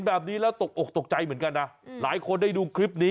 แหมเอาเท้ากวังน้ำด้วยเหรอ